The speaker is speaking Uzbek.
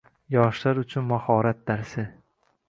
Yoshlar uchun mahorat darsi